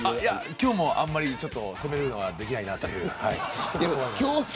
今日もあんまりちょっと攻めることができないなと。